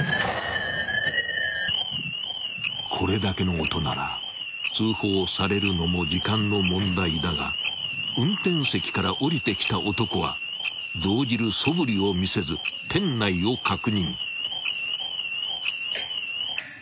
［これだけの音なら通報されるのも時間の問題だが運転席から降りてきた男は動じるそぶりを見せず店内を確認］